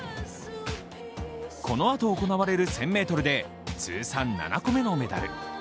このあと行われる１０００ｍで通算７個目のメダル。